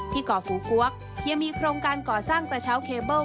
ก่อฟูกวกยังมีโครงการก่อสร้างกระเช้าเคเบิ้ล